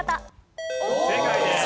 正解です。